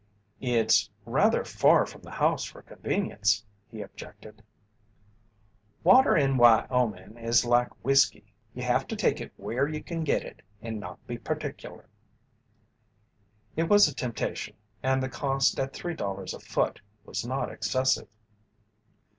"It's rather far from the house for convenience," he objected. "Water in Wyoming is like whiskey, you have to take it where you can get it and not be particular." It was a temptation, and the cost at three dollars a foot was not excessive.